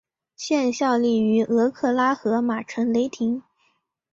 现效力于俄克拉何马城雷霆。